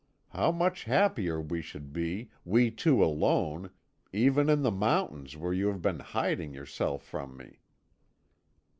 How much happier we should be, we two alone, even in the mountains where you have been hiding yourself from me!"